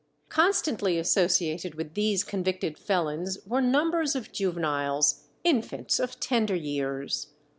Constantly associated with these convicted felons were numbers of juveniles, infants of tender years.